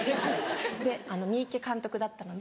で三池監督だったので。